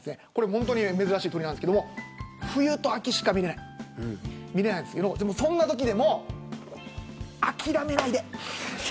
珍しい鳥なんですけど冬と秋しか見れないんですけどそんなときでも諦めないで。